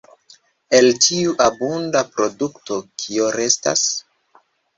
El tiu abunda produkto, kio restas?